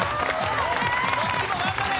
どっちも頑張れ！